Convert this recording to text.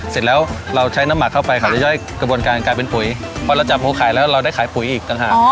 เสร็จแล้วเราใช้น้ำหมักเข้าไปเขาจะย่อยกระบวนการกลายเป็นปุ๋ยพอเราจับหัวขายแล้วเราได้ขายปุ๋ยอีกต่างหาก